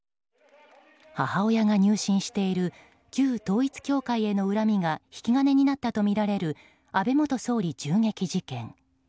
母親が入信している旧統一教会への恨みが引き金になったとみられる安倍元総理銃撃事件。